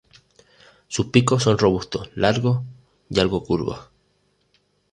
Sus picos son robustos, largos y algo curvos.